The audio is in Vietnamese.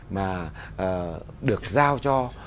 mà được giao cho